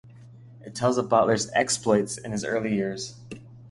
It tells of Bottler's exploits in his early years.